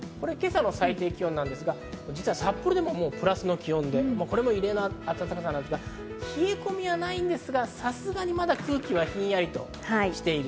実は札幌でも、もうプラスの気温で、これも異例な暖かさなんですけど、冷え込みはないですが、さすがにまだ空気はひんやりとしている。